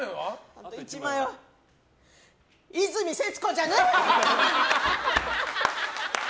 あと１枚は和泉節子じゃねーよ！